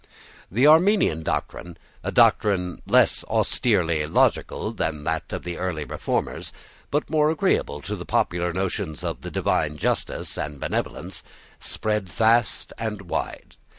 The Arminian doctrine, a doctrine less austerely logical than that of the early Reformers, but more agreeable to the popular notions of the divine justice and benevolence, spread fast and wide.